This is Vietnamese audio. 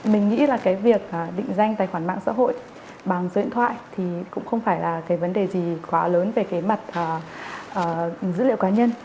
mình nghĩ là cái việc định danh tài khoản mạng xã hội bằng số điện thoại thì cũng không phải là cái vấn đề gì quá lớn về cái mặt dữ liệu cá nhân